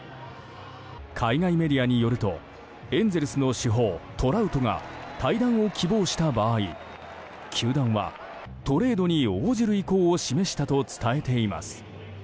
海外メディアによるとエンゼルスの主砲トラウトが退団を希望した場合球団はトレードに応じる意向を示したと伝えています。